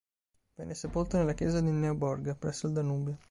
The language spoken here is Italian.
Venne sepolto nella chiesa di Neuburg, presso il Danubio.